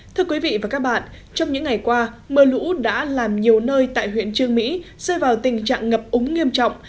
thưa quý vị và các bạn trong những ngày qua mưa lũ đã làm nhiều nơi tại huyện trương mỹ rơi vào tình trạng ngập úng nghiêm trọng